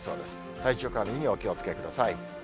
体調管理にお気をつけください。